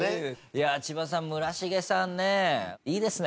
いやあ千葉さん村重さんねいいですね。